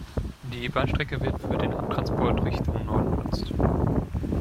Die Bahnstrecke wird für den Abtransport Richtung Norden benutzt.